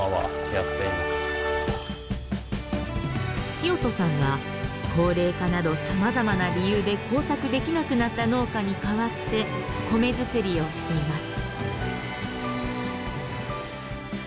聖人さんは高齢化などさまざまな理由で耕作できなくなった農家に代わって米作りをしています。